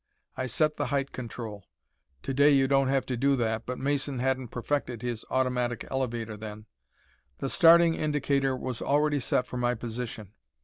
I set the height control. Today you don't have to do that, but Mason hadn't perfected his automatic elevator then. The starting indicator was already set for my position.